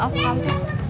maaf pak kantip